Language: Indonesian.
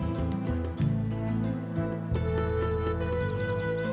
jangan sampai ini yang atau apa